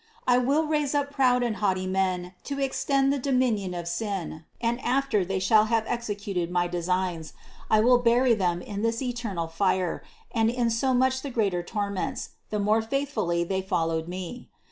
I will raise up proud and haughty men to extend the dominion of sin and after they shall have executed my designs, I will bury them in this eternal fire, and in so much the greater torments, the more faithfully they followed me.